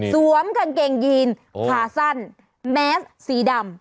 กางเกงยีนขาสั้นแมสสีดำ